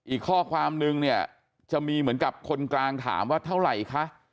อีกข้อความนึงเนี่ยจะมีเหมือนกับคนกลางถามว่าเท่าไหร่คะ